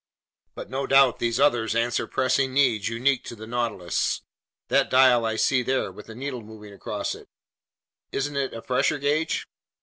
But no doubt these others answer pressing needs unique to the Nautilus. That dial I see there, with the needle moving across it—isn't it a pressure gauge?"